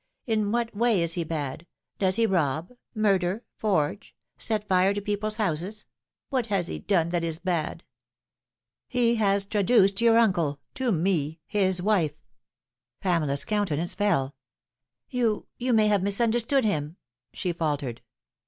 In what way ia he bad ? Does he rob, murder, forge, set fire to people's houses ? What has he done that is bad ?"" He has traduced your uncle to me, his wife." Pamela's countenance fell. "You you may have misunderstood him," she faltered.